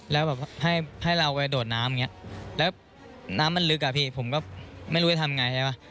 แล้วแบบให้เราไปโดดน้ำอย่างนี้แล้วน้ำมันลึกอะพี่ผมก็ไม่รู้จะทำไงใช่ไหม